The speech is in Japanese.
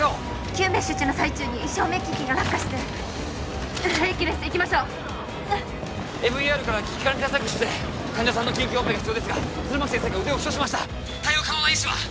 救命処置の最中に照明機器が落下して平気です行きましょうＭＥＲから危機管理対策室へ患者さんの緊急オペが必要ですが弦巻先生が腕を負傷しました対応可能な医師は？